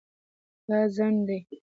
دا ځنډ دی